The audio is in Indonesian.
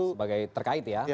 sebagai terkait ya